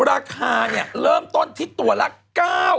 ราคาเนี่ยเริ่มต้นที่ตัวละ๙๐๐บาท